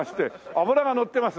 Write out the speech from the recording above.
「脂がのってます」